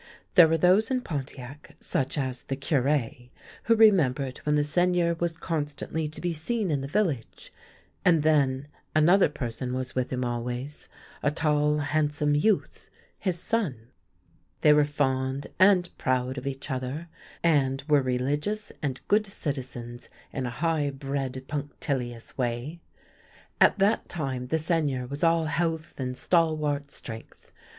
There were those in Pontiac, such as the Cure, who remembered when the Seigneur was constantly to be seen in the village ; and then another person was with him always, a tall, handsome youth, his son. They were fond and proud 202 THE LANE THAT HAD NO TURNING of each other, and were rehgious and good citizens in a high bred, punctiHous way. At that time the Seigneur was all health and stalwart strength.